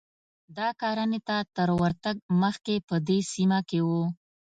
دا کرنې ته تر ورتګ مخکې په دې سیمه کې و